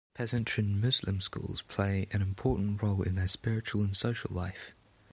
Pesantren Muslim schools play an important role in their spiritual and social life.